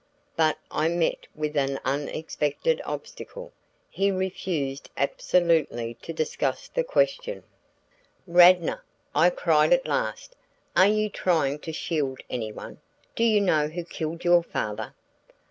But I met with an unexpected obstacle. He refused absolutely to discuss the question. "Radnor," I cried at last, "are you trying to shield any one? Do you know who killed your father?"